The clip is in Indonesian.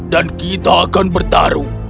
dan kita akan bertarung